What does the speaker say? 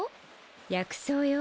薬草よ。